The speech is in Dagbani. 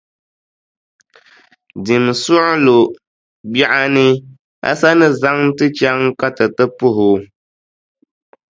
Dimi suɣulo, biɛɣuni, a sa ni zaŋ ti chaŋ ka ti ti puhi o?